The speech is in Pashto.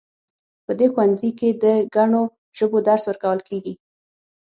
په دې ښوونځي کې د ګڼو ژبو درس ورکول کیږي